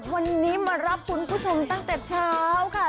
วันนี้มารับคุณผู้ชมตั้งแต่เช้าค่ะ